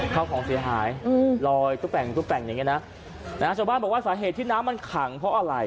ข้าวของเสียหายลอยตุ๊แต่งตุ๊แต่งอย่างเงี้นะนะฮะชาวบ้านบอกว่าสาเหตุที่น้ำมันขังเพราะอะไร